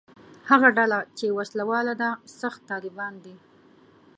هغه ډله چې وسله واله ده «سخت طالبان» دي.